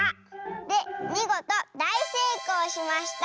でみごとだいせいこうしました」。